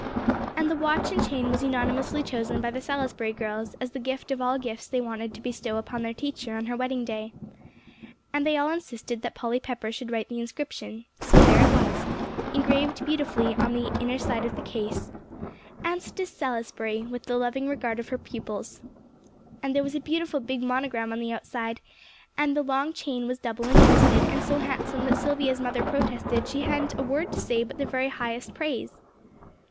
And the watch and chain was unanimously chosen by the "Salisbury girls" as the gift of all gifts they wanted to bestow upon their teacher on her wedding day; and they all insisted that Polly Pepper should write the inscription; so there it was, engraved beautifully on the inner side of the case: "Anstice Salisbury, with the loving regard of her pupils." And there was a beautiful big monogram on the outside; and the long chain was double and twisted, and so handsome that Silvia's mother protested she hadn't a word to say but the very highest praise!